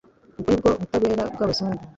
Ubwo nibwo butabera bw'Abazungu!